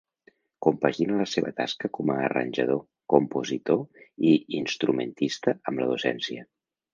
Compagina la seva tasca com a arranjador, compositor i instrumentista amb la docència.